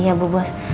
iya bu bos